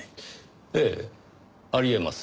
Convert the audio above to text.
ええあり得ます。